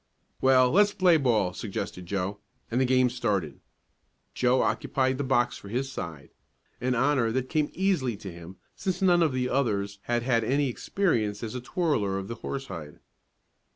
"Well, let's play ball," suggested Joe; and the game started. Joe occupied the box for his side, an honor that came easily to him since none of the others had had any experience as a twirler of the horsehide.